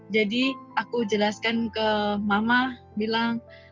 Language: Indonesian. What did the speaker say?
jadi aku jelaskan ke mama bilang